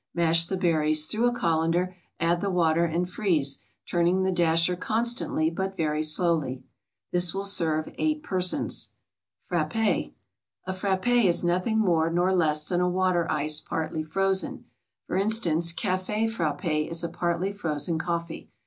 Mash the berries through a colander, add the water, and freeze, turning the dasher constantly but very slowly. This will serve eight persons. FRAPPÉ A frappé is nothing more nor less than a water ice partly frozen. For instance, Café Frappé is a partly frozen coffee.